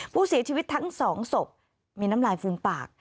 ผู้เสียชีวิตทั้งสองศพมีน้ำลายฟูมปาก